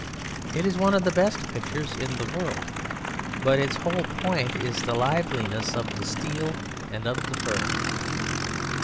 It is one of the best pictures in the world; but its whole point is the liveliness of the steel and of the fur.